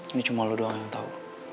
ini cuma lo doang yang tahu